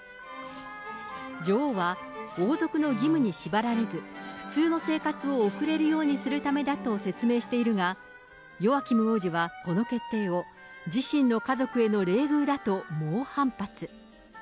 女王は王族の義務に縛られず、普通の生活を送れるようにするためだと説明しているが、ヨアキム王子はこの決定を、自身の家族への冷遇だと猛反発。